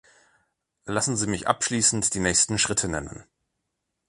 Lassen Sie mich abschließend die nächsten Schritte nennen.